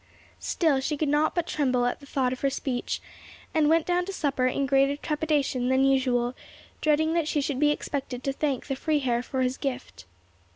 Still she could not but tremble at the thought of her speech, and went down to supper in greater trepidation than usual, dreading that she should be expected to thank the Freiherr for his gift.